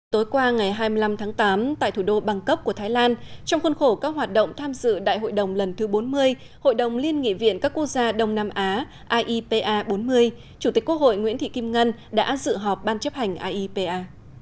tối qua ngày hai mươi năm tháng tám tại thủ đô bangkok của thái lan trong khuôn khổ các hoạt động tham dự đại hội đồng lần thứ bốn mươi hội đồng liên nghị viện các quốc gia đông nam á iepa bốn mươi chủ tịch quốc hội nguyễn thị kim ngân đã dự họp ban chấp hành iepa